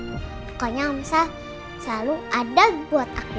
pokoknya om sal selalu ada buat aku